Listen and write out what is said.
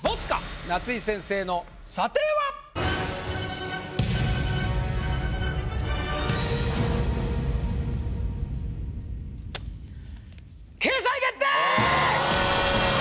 夏井先生の査定は⁉掲載決定！